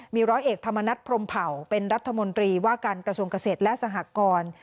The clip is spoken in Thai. มีร้อยเอกธรรมนัฐพรมเผ่าเป็นรัฐมนตรีว่าการกระทรวงเกษตรและสหกร